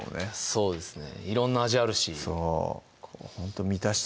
そうですね